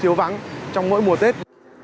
chịu vắng trong mỗi mùa tết